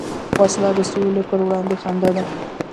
وسله د سولې پروړاندې خنډ ده